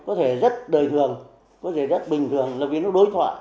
có thể rất đời thường có thể rất bình thường là vì nó đối thoại